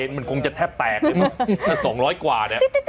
มันคงจะแทบแตก๒๐๐กว่าเนี่ย